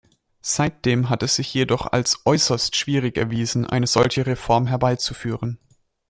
Seitdem hat es sich jedoch als äußerst schwierig erwiesen, eine solche Reform herbeizuführen.